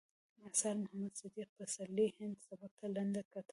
اثار، د محمد صديق پسرلي هندي سبک ته لنډه کتنه